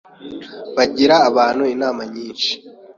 bagira abantu inama nyinshi